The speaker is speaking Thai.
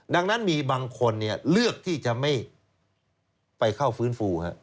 ดังนั้นมีบางคนเลือกที่จะไม่ไปเข้าฟื้นฟู